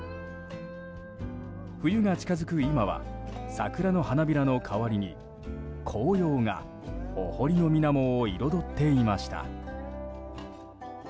冬が近づく今は桜の花びらの代わりに紅葉が、お堀の水面を彩っていました。